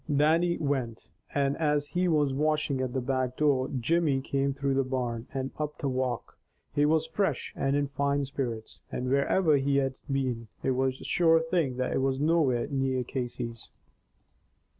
Dannie went, and as he was washing at the back door, Jimmy came through the barn, and up the walk. He was fresh, and in fine spirits, and where ever he had been, it was a sure thing that it was nowhere near Casey's.